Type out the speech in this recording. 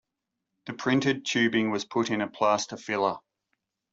The printed tubing was put in a plaster filler.